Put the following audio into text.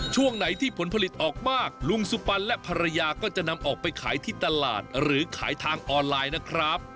ช่วงไหนที่ผลผลิตออกมากลุงสุปันและภรรยาก็จะนำออกไปขายที่ตลาดหรือขายทางออนไลน์นะครับ